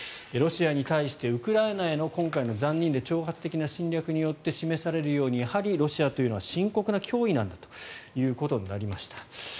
ロシアに対してウクライナへの今回の残忍で挑発的な侵略によって示されるようにやはりロシアというのは深刻な脅威なんだということになりました。